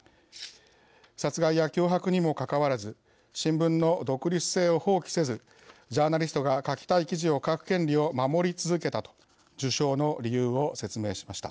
殺害や脅迫にもかかわらず新聞の独立性を放棄せずジャーナリストが書きたい記事を書く権利を守り続けた」と授賞の理由を説明しました。